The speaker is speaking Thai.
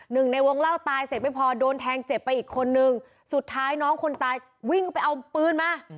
เสียงไม่พอโดนแทงเจ็บไปอีกคนนึงสุดท้ายน้องคนตายวิ่งไปเอาปืนมา